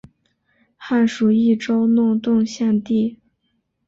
汉属益州弄栋县地。